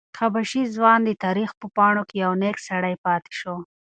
حبشي ځوان د تاریخ په پاڼو کې یو نېک سړی پاتې شو.